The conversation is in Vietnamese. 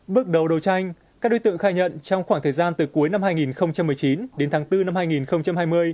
bước đầu đấu tranh các đối tượng khai nhận trong khoảng thời gian từ cuối năm hai nghìn một mươi chín đến tháng bốn năm hai nghìn hai mươi